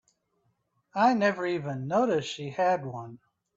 I never even noticed she had one.